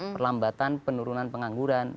perlambatan penurunan pengangguran